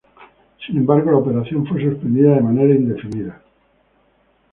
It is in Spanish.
Sin embargo, la operación fue suspendida de manera indefinida.